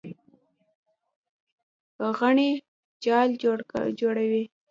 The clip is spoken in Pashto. غڼې جال جوړوي.